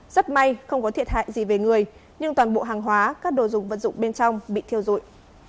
rất may không có thiệt hại gì về người nhưng toàn bộ hàng hóa các đồ dùng vật dụng bên trong bị thiêu dụi